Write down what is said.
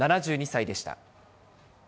７２歳でした。